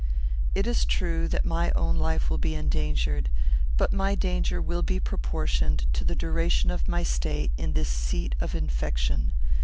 It is true that my own life will be endangered; but my danger will be proportioned to the duration of my stay in this seat of infection.